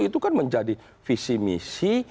itu kan menjadi visi misi